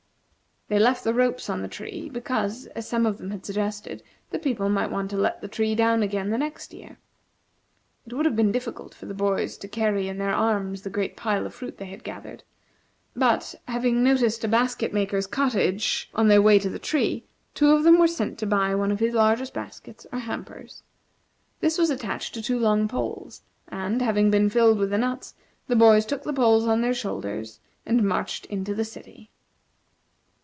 They left the ropes on the tree because, as some of them had suggested, the people might want to let the tree down again the next year. It would have been difficult for the boys to carry in their arms the great pile of fruit they had gathered; but, having noticed a basket maker's cottage on their way to the tree, two of them were sent to buy one of his largest baskets or hampers. This was attached to two long poles, and, having been filled with the nuts, the boys took the poles on their shoulders, and marched into the city.